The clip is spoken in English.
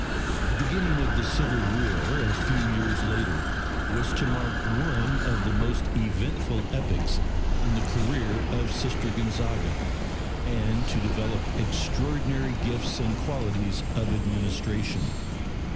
The beginning of the Civil War a few years later was to mark one of the most eventful epochs in the career of Sister Gonzaga, and to develop extraordinary gifts and qualities of administration.